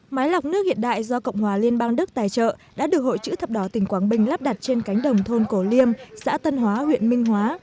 máy lọc nước hiện đại do cộng hòa liên bang đức tài trợ đã được hội chữ thập đỏ tỉnh quảng bình lắp đặt trên cánh đồng thôn cổ liêm xã tân hóa huyện minh hóa